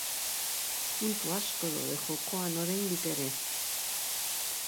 Puntu asko daude jokoan oraindik ere.